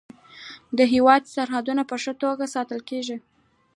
د هیواد سرحدونه په ښه توګه ساتل کیږي.